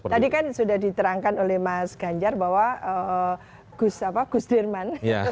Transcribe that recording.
tadi kan sudah diterangkan oleh mas ganjar bahwa gus dirman